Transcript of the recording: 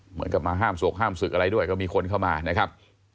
เหมือนกับมาห้ามสวกห้ามศึกอะไรด้วยก็มีคนเข้ามานะครับ